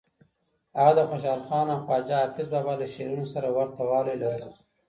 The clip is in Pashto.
هغه د خوشحال خان او خواجه حافظ بابا له شعرونو سره ورته والی لرلو.